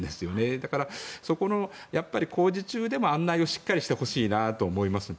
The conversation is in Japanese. だから、工事中でも案内をしっかりしてほしいなと思います。